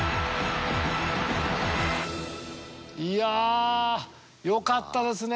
いやあよかったですね！